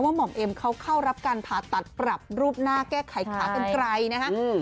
ว่าหม่อมเอ็มเข้ารับการผ่าตัดปรับรูปหน้าแก้ไขขาเป็นใครนะครับ